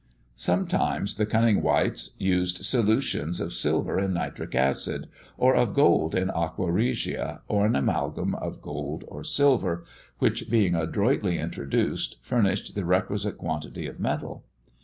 Sometimes the cunning wights used solutions of silver in nitric acid, or of gold in aqua regia, or an amalgam of gold or silver, which being adroitly introduced, furnished the requisite quantity of metal.